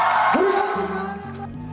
assalamualaikum warahmatullahi wabarakatuh